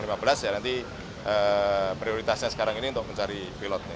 ya nanti prioritasnya sekarang ini untuk mencari pilotnya